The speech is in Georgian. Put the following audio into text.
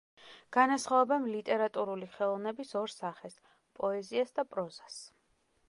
განასხვავებენ ლიტერატურული ხელოვნების ორ სახეს: პოეზიას და პროზას.